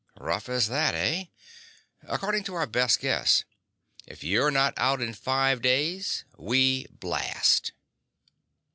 "Rough as that, eh?" "According to our best guess. If you're not out in five days, we blast."